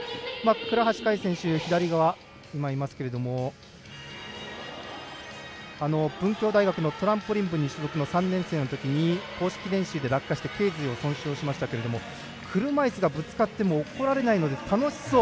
倉橋香衣選手は大学のトランポリン部に所属の３年生のときに公式練習で落下してけい椎を損傷しましたが車いすがぶつかっても怒られないので、楽しそう。